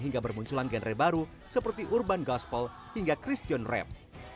hingga bermunculan genre baru seperti urban gospel hingga christian rem